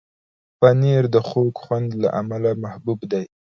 پنېر د خوږ خوند له امله محبوب دی.